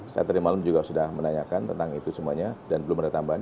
saya tadi malam juga sudah menanyakan tentang itu semuanya dan belum ada tambahan